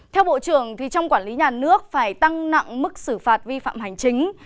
theo bộ trưởng trong quản lý nhà nước phải tăng nặng mức xử phạt vi phạm hành chính